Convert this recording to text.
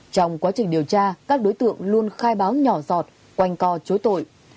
trong quá trình điều tra các đối tượng luôn khai báo nhỏ dọt quanh co chối tội